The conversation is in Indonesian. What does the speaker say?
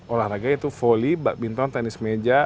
olahraga yaitu volley badminton tenis meja